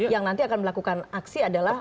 yang nanti akan melakukan aksi adalah